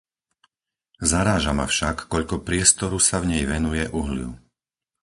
Zaráža ma však, koľko priestoru sa v nej venuje uhliu.